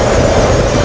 itu udah gila